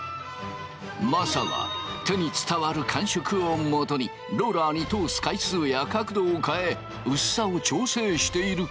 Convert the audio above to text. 政は手に伝わる感触をもとにローラーに通す回数や角度を変え薄さを調整している。